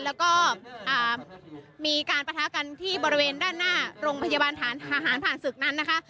แล้วก็มีการประทะกันที่บริเวณด้านหน้าโรงพยาบาลฐานทหารผ่านศึกนั้นนะคะ